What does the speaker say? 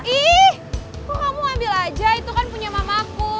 ih kok kamu ngambil aja itu kan punya mamaku